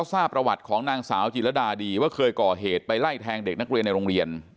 ทราบประวัติของนางสาวจิรดาดีว่าเคยก่อเหตุไปไล่แทงเด็กนักเรียนในโรงเรียน